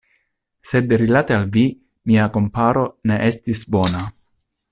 Sed rilate al vi mia komparo ne estis bona.